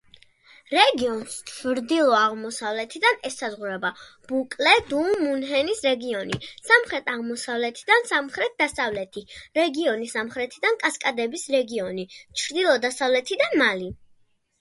რეგიონს ჩრდილო-აღმოსავლეთიდან ესაზღვრება ბუკლე-დუ-მუჰუნის რეგიონი, სამხრეთ-აღმოსავლეთიდან სამხრეთ-დასავლეთი რეგიონი, სამხრეთიდან კასკადების რეგიონი, ჩრდილო-დასავლეთიდან მალი.